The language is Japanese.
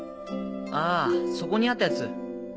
あぁそこにあったやつ？